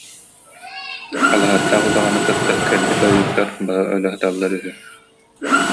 Алыһардаах удаҕаны кытта кэлбит ойууттар бары өлө сыталлар үһү